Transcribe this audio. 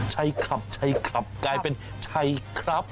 ชัยขับชัยขับกลายเป็นชัยครับ